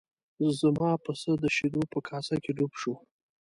زما پسه د شیدو په کاسه کې ډوب شو.